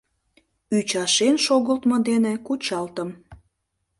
Ӱчашен шогылтмо дене кучалтым.